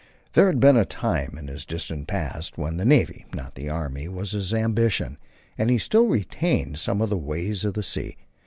There had been a time in his distant past when the navy, not the army, was his ambition, and he still retained some of the ways of the sea.